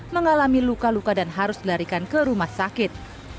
mengalami luka luka dan harus dilarikan ke rumah sakit